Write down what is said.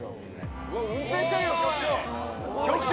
運転してるよ、局長。